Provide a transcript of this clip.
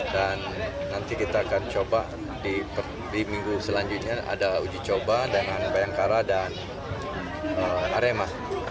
nanti kita akan coba di minggu selanjutnya ada uji coba dengan bayangkara dan arema